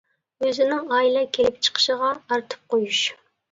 ئۆزىنىڭ ئائىلە كېلىپ چىقىشىغا ئارتىپ قويۇش.